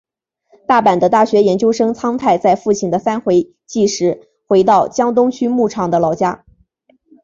大阪的大学研究生苍太在父亲的三回忌时回到江东区木场的老家。